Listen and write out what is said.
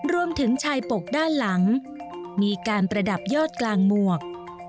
รวมถึงชายปกด้านหลังมีการประดับยอดกลางหมวก